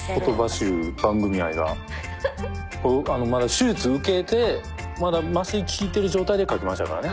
手術受けてまだ麻酔効いてる状態で書きましたからね。